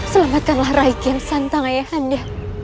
selamatkanlah raiki yang santang ayah anda